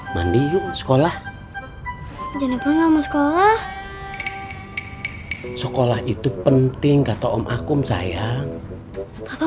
mandi yuk sekolah jeniper ngomong sekolah sekolah itu penting kata om akum sayang apa